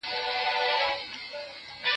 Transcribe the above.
جادوګر په شپه کي وتښتېد له ښاره